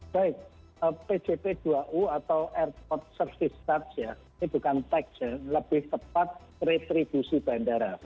baik pjp dua u atau airport service stage ya ini bukan tax ya lebih tepat retribusi bandara